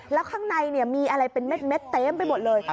แล้วข้างในมีอะไรเป็นเม็ดเต็มไปหมดเลย